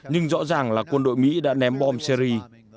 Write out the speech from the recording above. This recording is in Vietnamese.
nhưng rõ ràng là quân đội mỹ đã ném bom syri